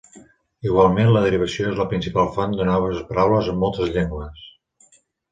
Igualment la derivació és la principal font de noves paraules en moltes llengües.